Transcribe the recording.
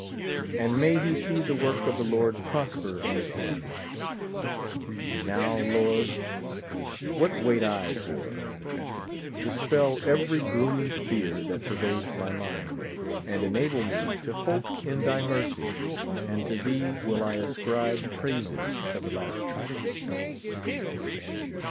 and may he see the work of the Lord prosper in his hands. And now. Lord, what wait I for? Dispel every gloomy fear that pervades my mind, arid enable me to hope in thy mercy, and to thee will v ascribe praises everlasting.